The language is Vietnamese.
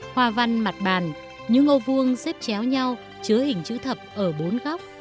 hoa văn mặt bàn những ngôi vuông xếp chéo nhau chứa hình chữ thập ở bốn góc